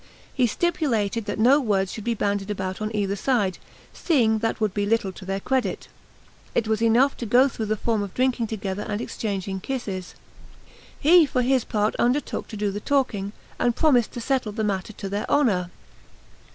He stipulated that no words should be bandied about on either side, seeing that would be little to their credit; it was enough to go through the form of drinking together and exchanging kisses; he for his part undertook to do the talking, and promised to settle the matter to their honour.